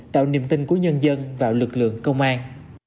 tạo niềm tin của nhân dân vào lực lượng công an